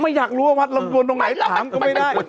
อยากรู้ว่าวัดลำดวนตรงไหนถามก็ไม่ได้